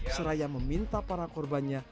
seraya meminta para korbannya